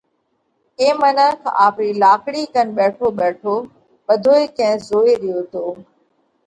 اي منک آپري لاڪڙِي ڪنَ ٻيٺو ٻيٺو ٻڌوئي ڪئين زوئي ريو تو